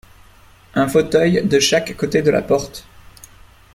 Un fauteuil de chaque côté de la porte.